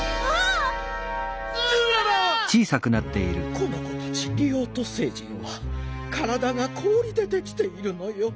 この子たちリオート星人はからだがこおりでできているのよ。